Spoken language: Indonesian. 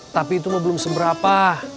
tapi itu mah belum seberapa